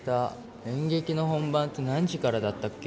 演劇の本番って何時からだったっけ？